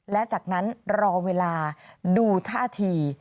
และจากนั้นรอเวลาดูท่าที